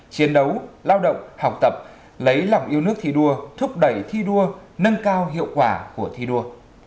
chiến đấu lao động học tập lấy lòng yêu nước thi đua thúc đẩy thi đua nâng cao hiệu quả của thi đua